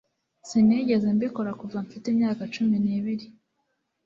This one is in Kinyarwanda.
Sinigeze mbikora kuva mfite imyaka cumi n'ibiri